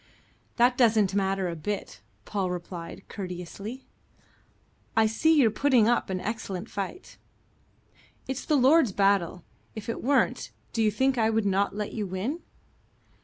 "That doesn't matter a bit," Paul replied courteously. "I see you're putting up an excellent fight." "It's the Lord's battle. If it weren't, do you think I would not let you win?"